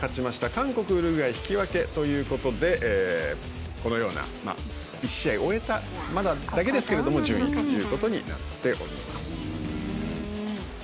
韓国、ウルグアイ引き分けということでこのような、１試合を終えたまだだけですけど順位ということになっております。